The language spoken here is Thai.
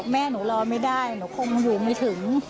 แม่หนูรอไม่ได้หนูคงอยู่ไม่ถึง